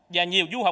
và nhiều du học